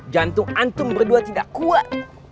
jantung antum berdua tidak kuat